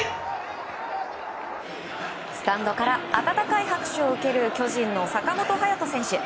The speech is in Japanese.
スタンドから温かい拍手を受ける巨人の坂本勇人選手。